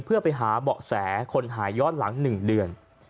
เพื่อไปหาเบาะแสคนหายย้อนหลัง๑เดือน